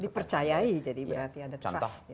dipercayai jadi berarti ada trust